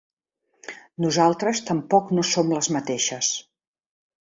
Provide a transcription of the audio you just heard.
Nosaltres tampoc no som les mateixes.